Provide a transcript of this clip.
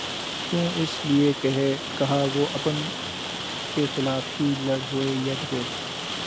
کیوں اس لیے کہہ وہ اپن کیخلاف ہی لڑ ہوئے ید ہوئے